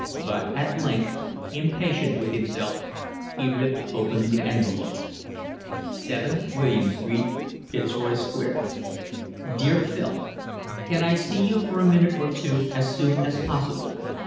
But at length, impatient with himself, he ripped open the envelope. 7 William Street, Fitzroy Square. Dear Phil, Can I see you for a minute or two as soon as possible.